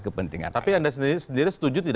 kepentingan tapi anda sendiri setuju tidak